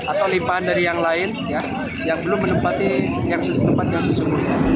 atau limpaan dari yang lain yang belum menempati yang sesempat yang sesungguhnya